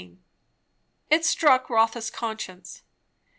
It struck Rotha's conscience.